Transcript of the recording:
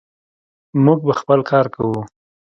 موږ به خپل کار کوو.